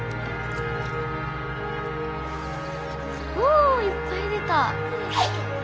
おいっぱい出た。